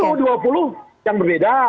ada tuh dua puluh yang berbeda